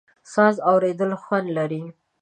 ساز اورېدل خوند لري.